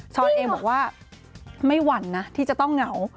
เองบอกว่าไม่หวั่นนะที่จะต้องเหงา